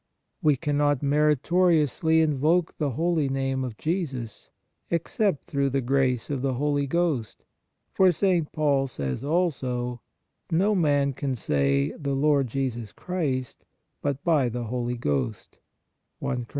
We cannot meritoriously invoke the holy Name of Jesus, except through the grace of the Holy Ghost, for St. Paul says also: " No man can say, the Lord Jesus, but by the Holy Ghost" (I Cor.